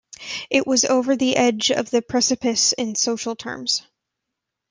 It was over the edge of the precipice in social terms.